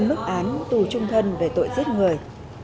mức án tù trung thân về tội giết người